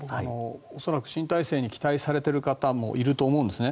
恐らく新体制に期待されている方もいると思うんですね。